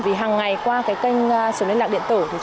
vì hàng ngày qua cái kênh số liên lạc điện tử